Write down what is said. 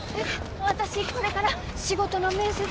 私これから仕事の面接が。